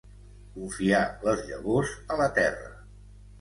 Confiar les llavors a la terra.